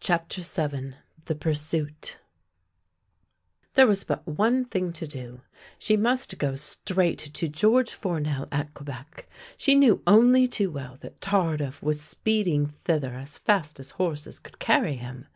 CHAPTER VII THE PURSUIT THERE was but one thing to do. She must go straight to George Fournel at Quebec. She knew only too well that Tardif was speeding thither as fast as horses could carry him.